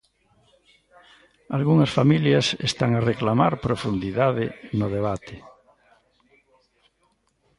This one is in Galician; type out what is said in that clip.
Algunhas familias están a reclamar profundidade no debate.